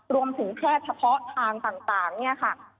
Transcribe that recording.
รวมถึงแพทย์ทะเพาะทางต่างเนี่ยค่ะ